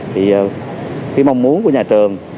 thì cái mong muốn của nhà trường